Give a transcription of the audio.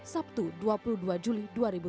sabtu dua puluh dua juli dua ribu tujuh belas